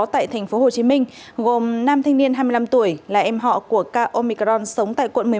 tại tp hcm gồm nam thanh niên hai mươi năm tuổi là em họ của k omicron sống tại quận một mươi một